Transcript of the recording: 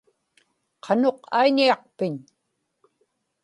qanuq aiñiaqpiñ